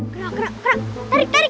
kena kena kena tarik tarik